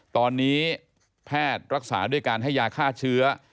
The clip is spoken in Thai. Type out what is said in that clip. ตอนนี้แพทย์รักษาด้วยการให้ยาฆ่าเชื้อ